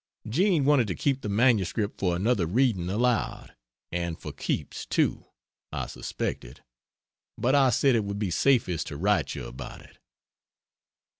Jean wanted to keep the MS for another reading aloud, and for "keeps," too, I suspected, but I said it would be safest to write you about it.